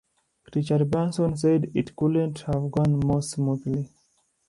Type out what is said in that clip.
Richard Branson said it "couldn't have gone more smoothly".